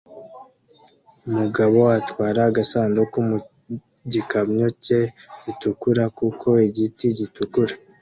Umugabo atwara agasanduku mu gikamyo cye gitukura kuko igiti gitukura